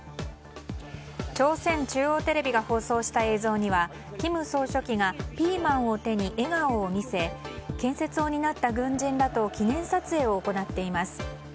朝鮮中央テレビが放送した映像には金総書記がピーマンを手に笑顔を見せ建設を担った軍人らと記念撮影を行っています。